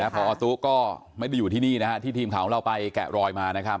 พอตุ๊ก็ไม่ได้อยู่ที่นี่ที่ทีมข่าวของเราไปแกะรอยมานะครับ